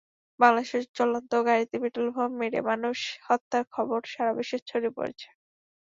বাংলাদেশে চলন্ত গাড়িতে পেট্রলবোমা মেরে মানুষ হত্যার খবর সারা বিশ্বে ছড়িয়ে পড়েছে।